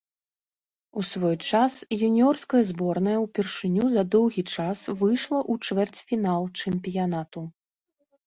У свой час юніёрская зборная ўпершыню за доўгі час выйшла ў чвэрцьфінал чэмпіянату.